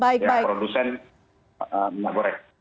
ya produsen minyak goreng